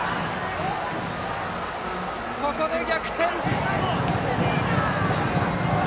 ここで逆転！